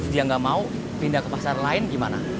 dia nggak mau pindah ke pasar lain gimana